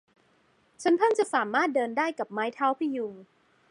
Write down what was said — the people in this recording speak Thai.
ฉันเพิ่งจะสามารถเดินได้กับไม้เท้าพยุง